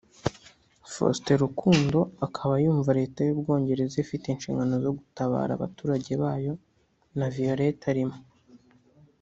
Faustin Rukundo akaba yumva Leta y’Ubwongereza ifite inshingano zo gutabara abaturage bayo na Violette arimo